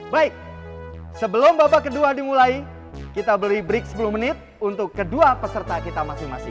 baik sebelum babak kedua dimulai kita beri break sepuluh menit untuk kedua peserta kita masing masing